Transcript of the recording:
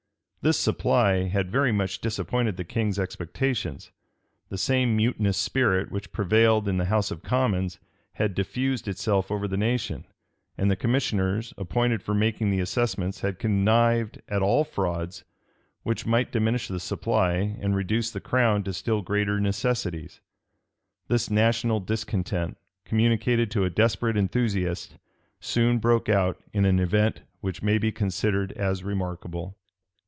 This supply had very much disappointed the king's expectations. The same mutinous spirit which prevailed in the house of commons had diffused itself over the nation; and the commissioners appointed for making the assessments had connived at all frauds which might diminish the supply, and reduce the crown to still greater necessities. This national discontent, communicated to a desperate enthusiast, soon broke out in an event which may be considered as remarkable.